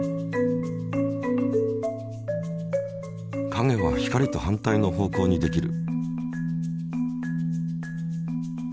影は光と反対の方向にできる。